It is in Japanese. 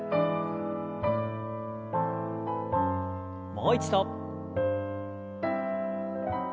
もう一度。